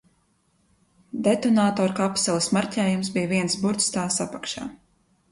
Detonatorkapseles marķējums bija viens burts tās apakšā.